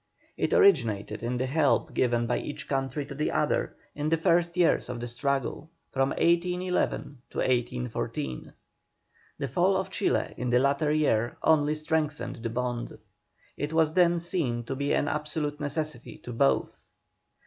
It originated in the help given by each country to the other in the first years of the struggle, from 1811 to 1814. The fall of Chile in the latter year only strengthened the bond; it was then seen to be an absolute necessity to both.